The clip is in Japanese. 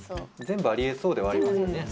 全部ありえそうではありますよね。